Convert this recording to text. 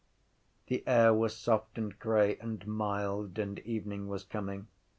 The air was soft and grey and mild and evening was coming.